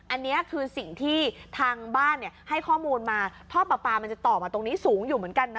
อันนี้คือสิ่งที่ทางบ้านให้ข้อมูลมาท่อปลาปลามันจะต่อมาตรงนี้สูงอยู่เหมือนกันนะ